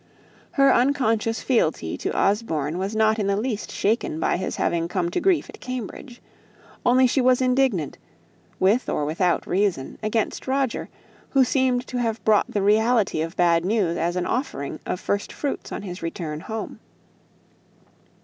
Her unconscious fealty to Osborne was not in the least shaken by his having come to grief at Cambridge. Only she was indignant with or without reason against Roger, who seemed to have brought the reality of bad news as an offering of first fruits on his return home.